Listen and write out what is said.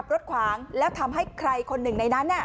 รถขวางแล้วทำให้ใครคนหนึ่งในนั้น